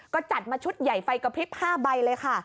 ก็จัดมาชุดใหญ่ไฟกระพริบ๕ใบเลยค่ะ